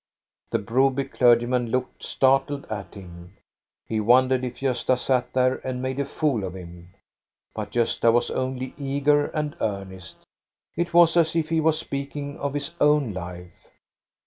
The Broby clergyman looked startled at him. He wondered if Gosta sat there and made a fool of him. But Gosta was only eager and earnest It was as if he was speaking of his own life.